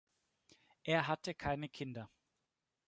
Er hatte keine Kinder.